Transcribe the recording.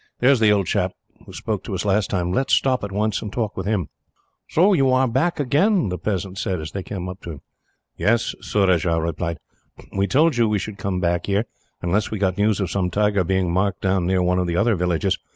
There is the old chap who spoke to us last time. Let us stop at once, and talk with him." "So you are back again," the peasant said, as they came up to him. "Yes," Surajah replied. "We told you we should come back here, unless we got news of some tiger being marked down near one of the other villages.